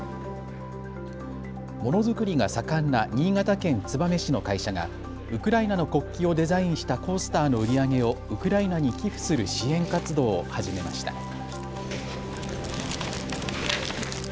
ものづくりが盛んな新潟県燕市の会社がウクライナの国旗をデザインしたコースターの売り上げをウクライナに寄付する支援活動を始めました。